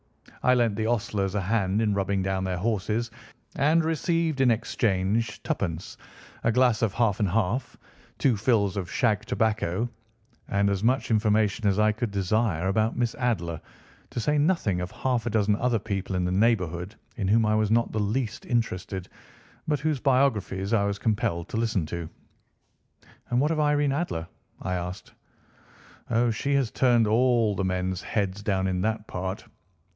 I lent the ostlers a hand in rubbing down their horses, and received in exchange twopence, a glass of half and half, two fills of shag tobacco, and as much information as I could desire about Miss Adler, to say nothing of half a dozen other people in the neighbourhood in whom I was not in the least interested, but whose biographies I was compelled to listen to." "And what of Irene Adler?" I asked. "Oh, she has turned all the men's heads down in that part.